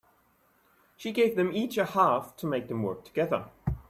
She gave them each a half to make them work together.